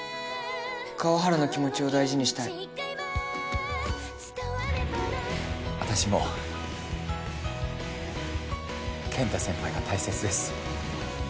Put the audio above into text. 川原の気持ちを大事にしたい私も健太先輩が大切です